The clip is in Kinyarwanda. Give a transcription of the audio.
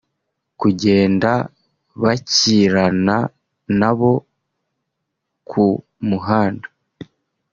kugenda bakirana nabo ku muhanda